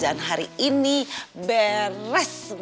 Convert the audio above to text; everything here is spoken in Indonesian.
kalau padahal udah diambil belum